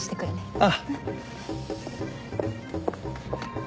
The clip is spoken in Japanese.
ああ。